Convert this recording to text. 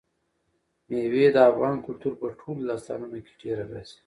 مېوې د افغان کلتور په ټولو داستانونو کې ډېره راځي.